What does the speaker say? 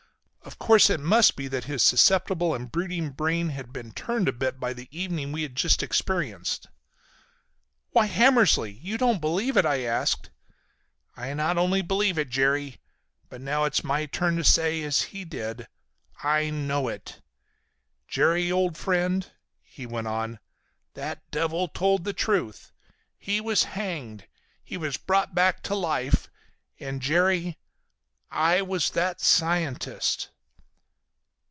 Of course it must be that his susceptible and brooding brain had been turned a bit by the evening we had just experienced. "Why Hammersly! You don't believe it?" I asked. "I not only believe it, Jerry, but now it's my turn to say, as he did, I know it! Jerry, old friend," he went on, "that devil told the truth. He was hanged. He was brought back to life; and Jerry—I was that scientist!"